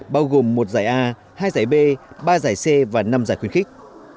bao gồm một giải a hai giải b ba giải c và năm giải khuyến khích